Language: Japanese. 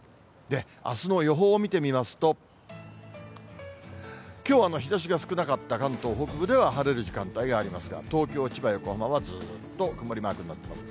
あすの予報を見てみますと、きょうは日ざしが少なかった関東北部では晴れる時間帯がありますが、東京、千葉、横浜はずっと曇りマークになってます。